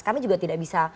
kami juga tidak bisa